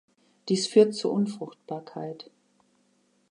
Dies führt zur Unfruchtbarkeit.